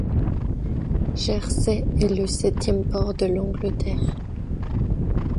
Jersey est le septième port de l’Angleterre.